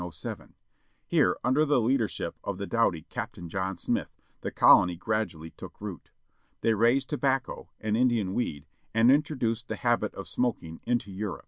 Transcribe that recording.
Here under the leadership of the doughty Captain John Smith the colony gradually took root. They raised tobacco â an Indian weed 1 â and introduced the habit of smoking ^^^^_ [into Europe.